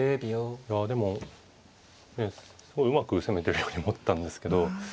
いやでもすごいうまく攻めてるように思ったんですけど。